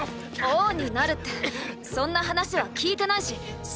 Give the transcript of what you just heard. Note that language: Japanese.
王になるってそんな話は聞いてないし知らないよ。